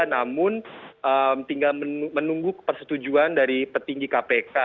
namun tinggal menunggu persetujuan dari petinggi kpk